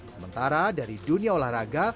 sementara dari dunia olahraga